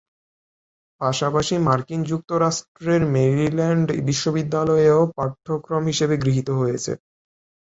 পাশাপাশি মার্কিন যুক্তরাষ্ট্রের মেরিল্যান্ড বিশ্ববিদ্যালয়েও পাঠ্যক্রম হিসাবে গৃহীত হয়েছে।